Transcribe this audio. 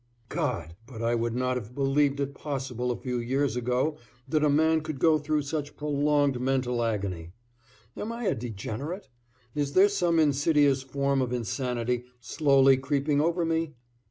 God! but I would not have believed it possible a few years ago that a man could go through such prolonged mental agony. Am I a degenerate? Is there some insidious form of insanity slowly creeping over me?